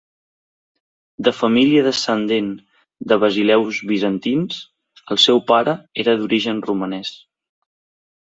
De família descendent de basileus bizantins, el seu pare era d'origen romanès.